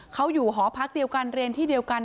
เขาอยู่หอพักเดียวกันเรียนที่เดียวกัน